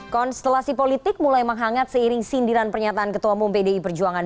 konstelasi politik mulai menghangat seiring sindiran pernyataan ketua umum pdi perjuangan